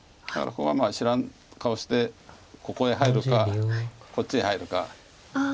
だからここは知らん顔してここへ入るかこっちへ入るか。